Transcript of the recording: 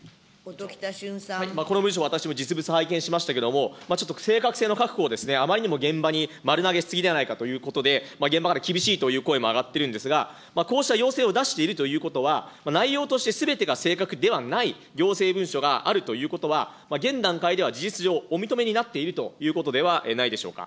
この文書、私も実物拝見しましたけれども、ちょっと正確性の確保を、あまりにも現場に丸投げしすぎではないかということで、現場から厳しいという声も上がっているんですが、こうした要請を出しているということは、内容としてすべてが正確ではない行政文書があるということは、現段階では事実上、お認めになっているということではないでしょうか。